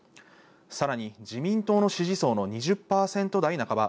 さらに自民党の支持層の２０％代半ば